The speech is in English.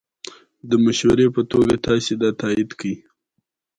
It is now sent out to over two million people across England.